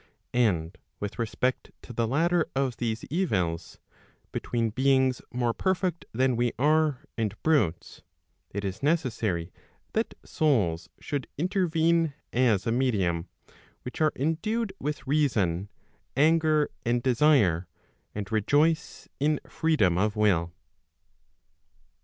And with respect to the latter of these evils, between beings more perfect than we are, and brutes, it is necessary that souls should Digitized by t^OOQLe CONCERNING PROVIDENCE. 499 Intervene as a medium, which are endued with reason, anger and desire, and rejoice in freedom of will.